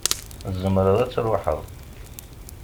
Tzemreḍ ad tṛuḥeḍ.